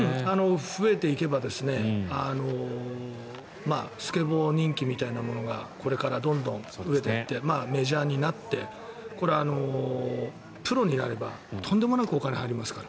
増えていけばスケボー人気みたいなものがこれからどんどん増えてきてメジャーになってプロになれば、とんでもなくお金が入りますから。